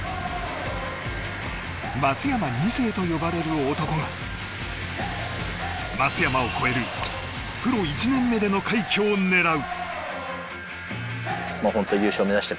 松山２世と呼ばれる男が松山を超えるプロ１年目での快挙を狙う。